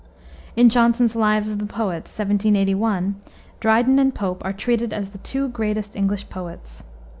In Johnson's Lives of the Poets, 1781, Dryden and Pope are treated as the two greatest English poets.